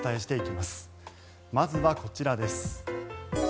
まずはこちらです。